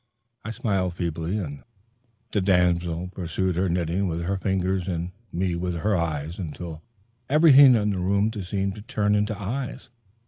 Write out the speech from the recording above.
I smiled feebly, and the damsel pursued her knitting with her fingers and me with her eyes, until everything in the room seemed to turn into eyes.